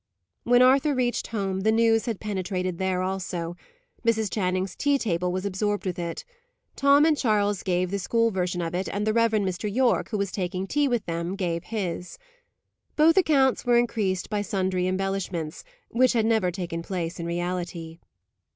When Arthur reached home, the news had penetrated there also. Mrs. Channing's tea table was absorbed with it. Tom and Charles gave the school version of it, and the Rev. Mr. Yorke, who was taking tea with them, gave his. Both accounts were increased by sundry embellishments, which had never taken place in reality.